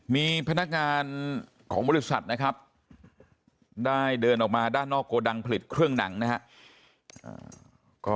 มีพนักงานของบริษัทนะครับได้เดินออกมาด้านนอกโกดังผลิตเครื่องหนังนะครับ